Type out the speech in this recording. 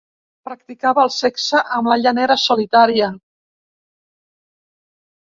Practicava el sexe amb la llanera solitària.